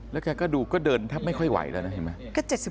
แล้วแกก็ดูก็เดินแทบไม่ค่อยไหวแล้วนะเห็นไหม